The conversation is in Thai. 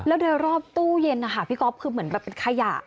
แล้วโดยรอบตู้เย็นนะคะพี่ก๊อฟคือเหมือนแบบเป็นขยะ